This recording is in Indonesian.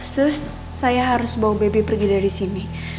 sus saya harus bawa bebi pergi dari sini